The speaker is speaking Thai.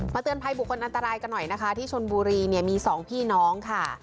เตือนภัยบุคคลอันตรายกันหน่อยนะคะที่ชนบุรีเนี่ยมีสองพี่น้องค่ะ